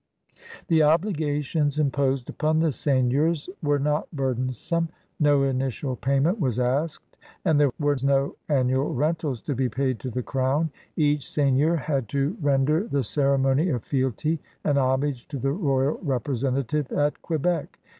The obligations imposed upon the seigneurs were not burdensome. No initial payment was asked, and there were no annual rentab to be paid to the Crown. Each seigneur had to render the ceremony of fealty and homage to the royal representative at Quebec.